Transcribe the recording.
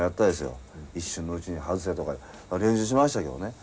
一瞬のうちに外せとか練習しましたけどね。